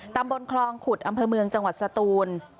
ตำบลคลองขุดอำเภอเมืองจังหวัดสตูน